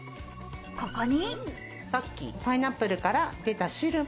ここに。